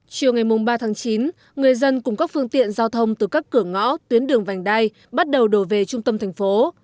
chiều ngày ba tháng chín người dân cùng các phương tiện giao thông từ các cửa ngõ tuyến đường vành đai bắt đầu đổ về trung tâm thành phố